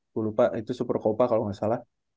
gue lupa itu supercopa kalau nggak salah